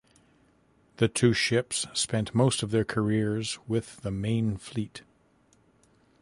The two ships spent most of their careers with the main fleet.